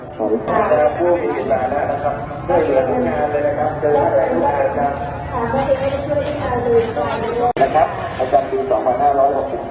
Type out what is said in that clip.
พวกมีหลายหลายหน้านะครับเจ้าเรือนงานเลยนะครับ